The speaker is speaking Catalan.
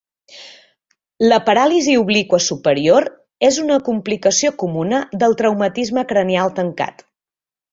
La paràlisi obliqua superior és una complicació comuna del traumatisme cranial tancat.